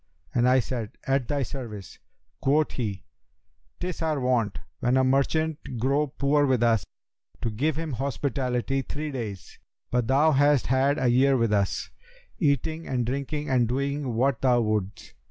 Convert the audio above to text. and I said, 'At thy service.' Quoth he, ''Tis our wont, when a merchant grow poor with us, to give him hospitality three days; but thou hast had a year with us, eating and drinking and doing what thou wouldst.'